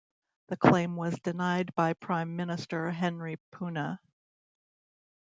The claim was denied by Prime Minister Henry Puna.